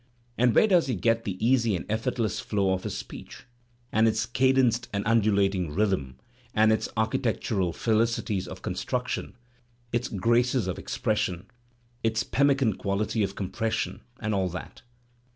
... And where does he / get the feasy a nd eflFortless flow of his speech^and its cadenced and undulating rhythm? and its architectural felicities of construction, its graces of expression, its penunican quality of compression, and all that?